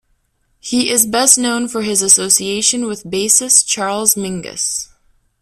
He is best known for his association with bassist Charles Mingus.